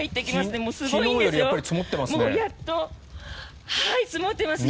昨日よりやっぱり積もってますね。